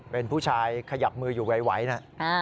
เป็นผู้ชายขยับมืออยู่ไหวนะ